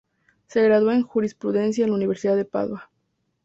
Se graduó en Jurisprudencia en la Universidad de Padua.